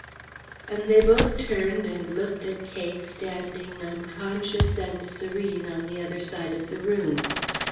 And they both turned and looked at Cake standing unconscious and serene on the other side of the room.